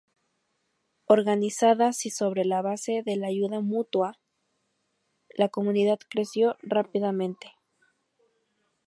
Organizada sí sobre la base de la ayuda mutua, la comunidad creció rápidamente.